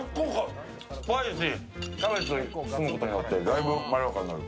キャベツに包むことによってだいぶまろやかになる。